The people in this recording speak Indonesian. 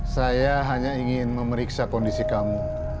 saya hanya ingin memeriksa kondisi kamu